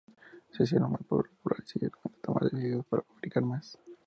Se hicieron muy populares, y ella comenzó a tomar pedidos para fabricar más.